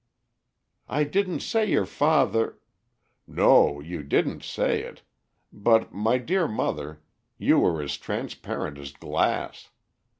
"I didn't say your father " "No, you didn't say it; but, my dear mother, you are as transparent as glass.